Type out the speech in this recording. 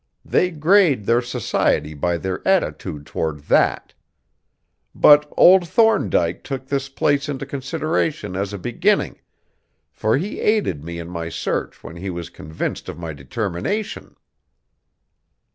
They grade their society by their attitude toward that. But old Thorndyke took this place into consideration as a beginning, for he aided me in my search when he was convinced of my determination."